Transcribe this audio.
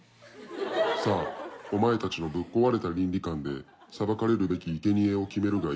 さあお前たちのぶっ壊れた倫理観で裁かれるべきいけにえを決めるがいい。